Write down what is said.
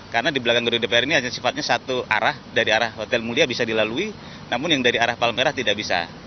karena di belakang gedung dpr ini hanya sifatnya satu arah dari arah hotel mulia bisa dilalui namun yang dari arah palmera tidak bisa